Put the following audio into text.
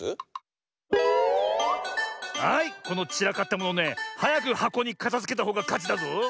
はいこのちらかったものねはやくはこにかたづけたほうがかちだぞ。